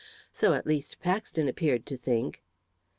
So at least Paxton appeared to think.